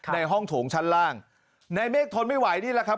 ในห้องโถงชั้นล่างในเมฆทนไม่ไหวนี่แหละครับ